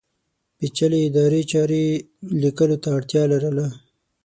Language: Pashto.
پېچلې ادارې چارې لیکلو ته اړتیا لرله.